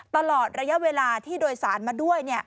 ตลอดระยะเวลาที่โดยสารมาด้วย